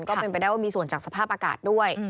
ก็เป็นไปได้ว่ามีส่วนจากสภาพอากาศด้วย